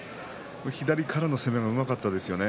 左からの攻めがうまかったですね。